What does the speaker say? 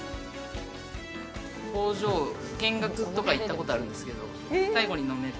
工場見学とか行ったことあるんですけど最後に飲める。